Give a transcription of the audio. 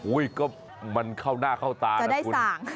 อุ๊ยก็มันเข้าหน้าเข้าตานะคุณจะได้ส่าง